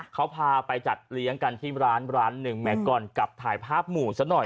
เขาพาไปจัดเลี้ยงกันที่ร้านร้านหนึ่งแหมก่อนกลับถ่ายภาพหมู่ซะหน่อย